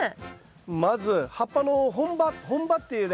まず葉っぱの本葉本葉っていうね。